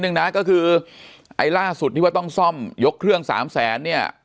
หนึ่งนะก็คือไอ้ล่าสุดที่ว่าต้องซ่อมยกเครื่องสามแสนเนี่ย